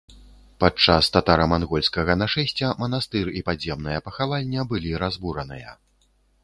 Падчас татара-мангольскага нашэсця манастыр і падземная пахавальня былі разбураныя.